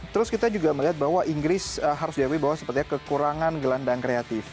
terus kita juga melihat bahwa inggris harus diakui bahwa sepertinya kekurangan gelandang kreatif